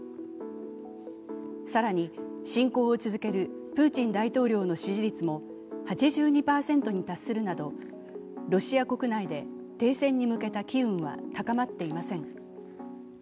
更に、侵攻を続けるプーチン大統領の支持率も８２％に達するなどロシア国内で停戦に向けた機運は高まっていません。